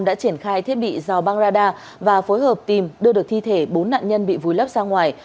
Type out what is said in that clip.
đã triển khai thiết bị dầu băng radar và phối hợp tìm đưa được thi thể bốn nạn nhân bị vùi lấp ra ngoài